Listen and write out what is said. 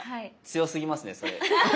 強すぎますねそれ。